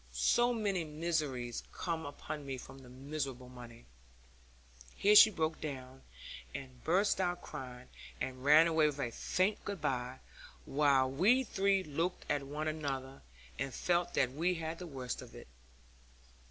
So many miseries come upon me from the miserable money ' Here she broke down, and burst out crying, and ran away with a faint good bye; while we three looked at one another, and felt that we had the worst of it.